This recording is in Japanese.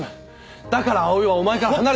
だから葵はお前から離れ。